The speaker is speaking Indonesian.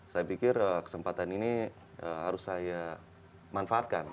saya pikir kesempatan ini harus saya manfaatkan